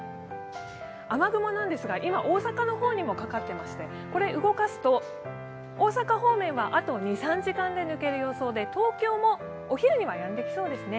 雨雲ですが、今大阪の方にもかかってまして大阪方面はあと２３時間で抜ける予想で、東京もお昼にはやんできそうですね。